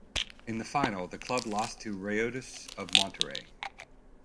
In the final, the club lost to Rayados of Monterrey.